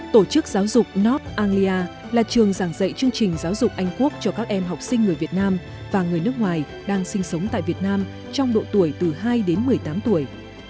tổ chức giáo dục north anglia là trường giảng dạy chương trình giáo dục anh quốc cho các em học sinh người việt nam và người nước ngoài đang sinh sống tại việt nam trong độ tuổi từ hai đến một mươi tám tuổi